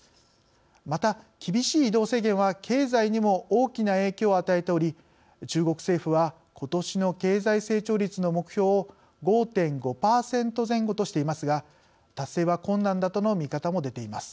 また厳しい移動制限は経済にも大きな影響を与えており中国政府はことしの経済成長率の目標を５．５％前後としていますが達成は困難だとの見方も出ています。